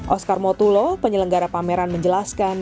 oscar motulo penyelenggara pameran menjelaskan